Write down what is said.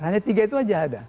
hanya tiga itu saja ada